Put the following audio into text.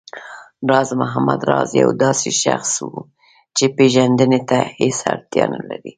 راز محمد راز يو داسې شخص و چې پېژندنې ته هېڅ اړتيا نه لري